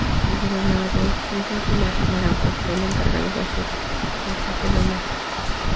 El gobernador Hugo Aguilar Naranjo fue el encargado de hacer el saque de honor.